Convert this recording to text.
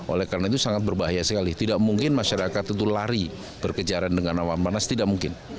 oleh karena itu sangat berbahaya sekali tidak mungkin masyarakat itu lari berkejaran dengan awan panas tidak mungkin